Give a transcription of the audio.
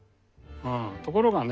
ところがね